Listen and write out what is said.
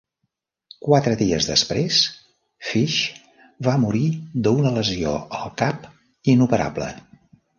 Quatre dies després, Fish va morir d'una lesió al cap inoperable.